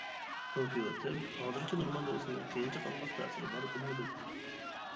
كومپيۇتېر ھازىرچە نورمال بولسىمۇ كېيىنچە قانداق تەسىرى بار بىلمىدىم.